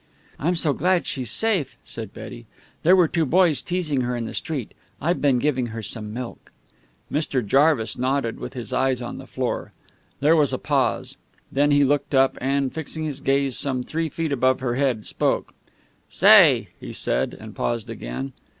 "I'm so glad she's safe!" said Betty. "There were two boys teasing her in the street. I've been giving her some milk." Mr. Jarvis nodded, with his eyes on the floor. There was a pause. Then he looked up, and, fixing his gaze some three feet above her head, spoke. "Say!" he said, and paused again.